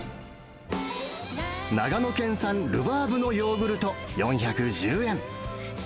長野県産ルバーブのヨーグルト４１０円。